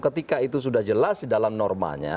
ketika itu sudah jelas dalam normanya